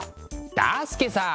だすけさあ